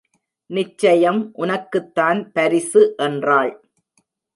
நிச்சயம் உனக்குத் தான் பரிசு என்றாள்.